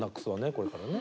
これからね。